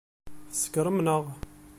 Tsekṛem neɣ?